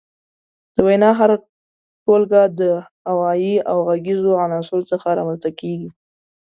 د وينا هره ټولګه د اوايي او غږيزو عناصرو څخه رامنځ ته کيږي.